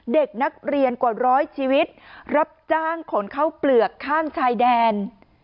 เด็กนักเรียนกว่าร้อยชีวิตรับจ้างขนเข้าเปลือกข้ามชายแดน